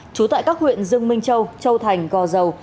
trú tại các huyện dương minh châu châu thành gò dầu